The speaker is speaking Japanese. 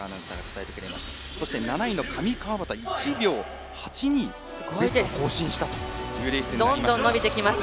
そして、７位の上川畑１秒８２、ベストを更新したというレースになりました。